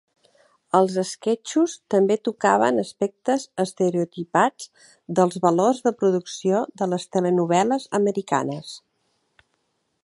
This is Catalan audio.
Els esquetxos també tocaven aspectes estereotipats dels valors de producció de les telenovel·les americanes.